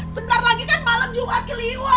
sebentar lagi kan malam jumat keliwa